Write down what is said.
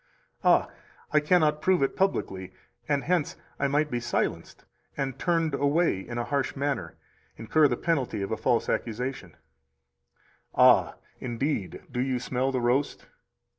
Ah, I cannot prove it publicly, and hence I might be silenced and turned away in a harsh manner [incur the penalty of a false accusation]. "Ah, indeed, do you smell the roast?"